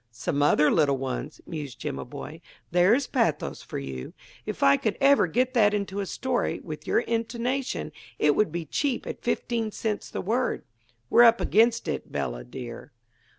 "'Some other little ones'," mused Jimaboy. "There's pathos for you. If I could ever get that into a story, with your intonation, it would be cheap at fifteen cents the word. We're up against it, Bella, dear."